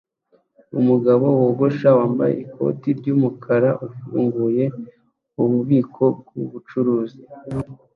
umugabo wogosha wambaye ikoti ryumukara ufunguye ububiko bwubucuruzi